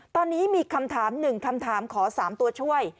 ตอนนี้มีคำถาม๑คำถามขอ๓ตัวช่วย